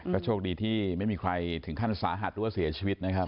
ก็โชคดีที่ไม่มีใครถึงขั้นสาหัสหรือว่าเสียชีวิตนะครับ